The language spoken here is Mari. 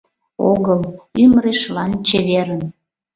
Огыл, ӱмырешлан — чеверын!»